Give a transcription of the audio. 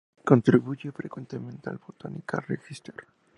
Contribuye frecuentemente al "Botanical Register".